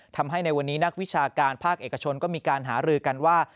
ทำให้ในวันนี้นักวิชาการภาคเอกชนก็มีการหารือกันว่า